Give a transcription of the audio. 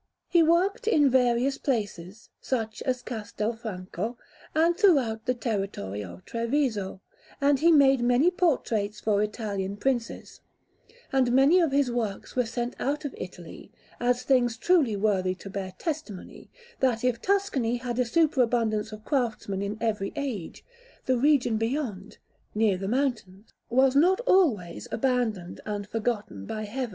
He worked in various places, such as Castelfranco, and throughout the territory of Treviso, and he made many portraits for Italian Princes; and many of his works were sent out of Italy, as things truly worthy to bear testimony that if Tuscany had a superabundance of craftsmen in every age, the region beyond, near the mountains, was not always abandoned and forgotten by Heaven.